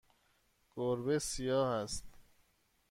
گربه سیاه است.